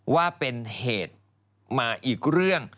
ว่าเป็นเหตุมาอีกเรื่อง